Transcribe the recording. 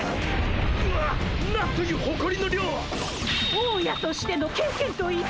大家としての経験と意地！